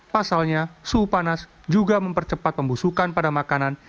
pasalnya suhu panas juga mempercepat pembusukan pada makanan